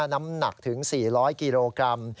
น้ำหนักถึง๔๐๐กิโลกรัม